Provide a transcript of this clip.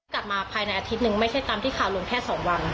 กลับมาภายในอาทิตย์หนึ่งไม่ใช่ตามที่ข่าวลงแค่๒วัน